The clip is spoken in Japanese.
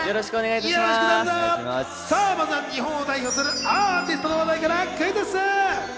まずは日本を代表するアーティストの話題からクイズッス！